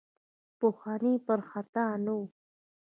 پخواني پر خطا نه وو.